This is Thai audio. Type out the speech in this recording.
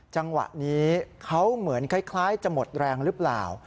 จังหวะนี้เขาเหมือนคล้ายจะหมดแรงหรือเปล่า